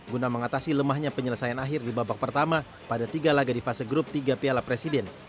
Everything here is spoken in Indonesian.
guna mengatasi lemahnya penyelesaian akhir di babak pertama pada tiga laga di fase grup tiga piala presiden